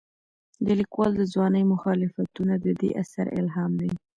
د لیکوال د ځوانۍ مخالفتونه د دې اثر الهام دي.